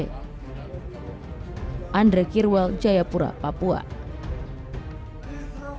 hingga saat ini belum ada koordinasi dengan dokter pribadi lukas nmb